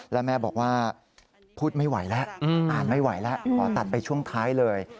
แล้วแม่บอกว่าพูดไม่ไหวแล้วอ่านไม่ไหวแล้วขอตัดไปช่วงท้ายเลย